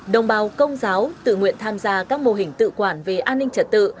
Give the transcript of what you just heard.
đồng bào công giáo tự nguyện tham gia các mô hình tự quản về an ninh trật tự